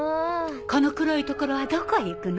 この黒い所はどこへ行くの？